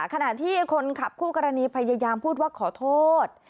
ขณะที่คนขับคู่กรณีพยายามพูดว่าขอโทษ